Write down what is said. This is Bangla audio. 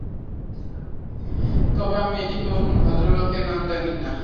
তবে আমি এই তরুণ ভদ্রলোকের নাম জানিনা।